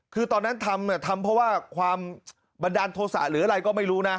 คือตอนนั้นทำทำเพราะว่าความบันดาลโทษะหรืออะไรก็ไม่รู้นะ